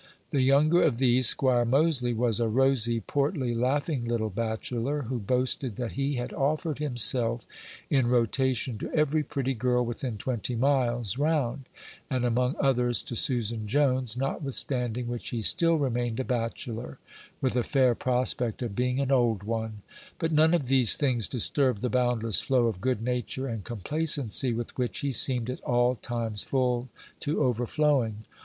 The younger of these, 'Squire Moseley, was a rosy, portly, laughing little bachelor, who boasted that he had offered himself, in rotation, to every pretty girl within twenty miles round, and, among others, to Susan Jones, notwithstanding which he still remained a bachelor, with a fair prospect of being an old one; but none of these things disturbed the boundless flow of good nature and complacency with which he seemed at all times full to overflowing.